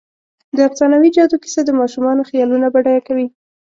د افسانوي جادو کیسه د ماشومانو خیالونه بډایه کوي.